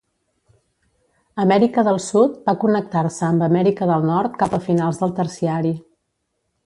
Amèrica del Sud va connectar-se amb Amèrica del Nord cap a finals del Terciari.